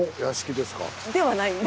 ではないんです。